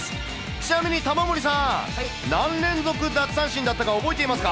ちなみに玉森さん、何連続奪三振だったか覚えていますか？